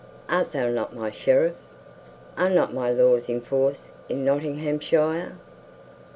Art thou not my Sheriff? Are not my laws in force in Nottinghamshire?